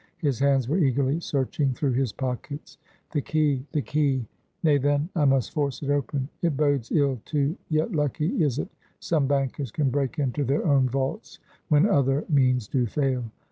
His hands were eagerly searching through his pockets. "The key! the key! Nay, then, I must force it open. It bodes ill, too. Yet lucky is it, some bankers can break into their own vaults, when other means do fail.